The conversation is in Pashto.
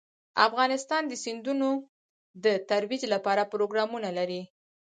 افغانستان د سیندونه د ترویج لپاره پروګرامونه لري.